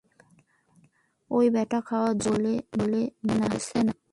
ওই ব্যাটা খাওয়ার জন্য বলছে না!